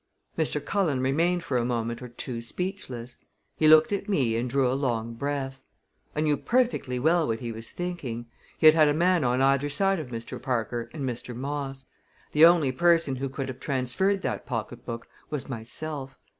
Mr. Cullen remained for a moment or two speechless. He looked at me and drew a long breath. I knew perfectly well what he was thinking. He had had a man on either side of Mr. Parker and Mr. Moss. The only person who could have transferred that pocketbook was myself.